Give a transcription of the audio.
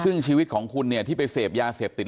ซึ่งชีวิตของคุณเนี่ยที่ไปเสพยาเสพติด